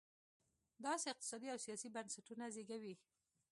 داسې اقتصادي او سیاسي بنسټونه زېږوي.